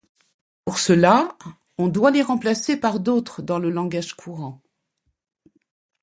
Pour cela on doit les remplacer par d'autres dans le langage courant.